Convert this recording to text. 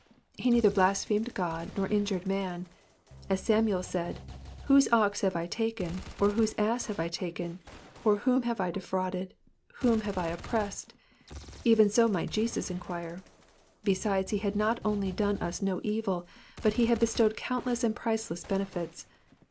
He neither blasphemed God, nor injured man. As fiftmoel said :*^ Whose ox have I taken f or whose ass have I taken ? or whom haTe I defrauded ? Whom hare I oppressed }" Even so might Jesus enquire. Besides, he had not only done us no eril. but he had bestowed countless and priceless benefits.